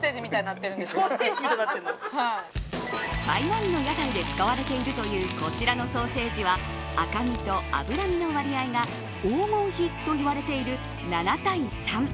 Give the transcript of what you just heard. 台湾の屋台で使われているというこちらのソーセージは赤身と脂身の割合が黄金比と言われている７対３。